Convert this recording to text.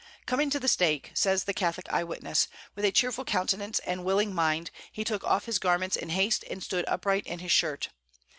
"Coming to the stake," says the Catholic eye witness, "with a cheerful countenance and willing mind, he took off his garments in haste and stood upright in his shirt.